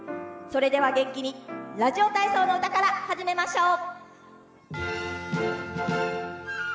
それでは元気に「ラジオ体操のうた」から始めましょう！